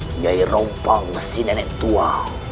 menyairompang si nenek tua